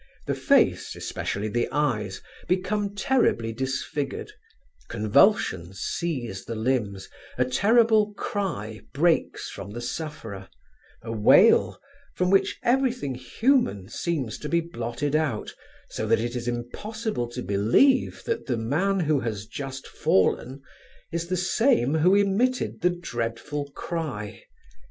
The face, especially the eyes, become terribly disfigured, convulsions seize the limbs, a terrible cry breaks from the sufferer, a wail from which everything human seems to be blotted out, so that it is impossible to believe that the man who has just fallen is the same who emitted the dreadful cry.